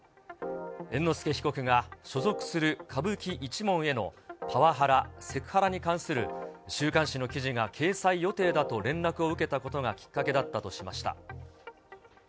猿之助被告が所属する歌舞伎一門へのパワハラ・セクハラに関する週刊誌の記事が掲載予定だと連絡を受けたことがきっかけだったとしました。